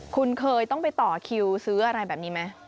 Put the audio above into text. คุณเคยต้องไปต่อคิวซื้ออะไรแบบนี้ไหม